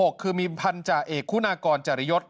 คือมีพันธาเอกคุณากรจริยศ